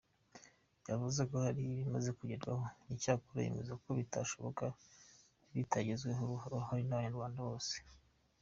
Yavuze ko hari ibimaze kugerwaho, icyakora yemeza ko bitashoboka bitagizwemo uruhare n’abanyarwanda bose.